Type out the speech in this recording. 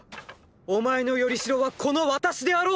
お前の依り代はこの私であろう！